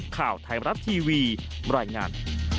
ข่าวไทยมรัฐทีวีบรรยายงาน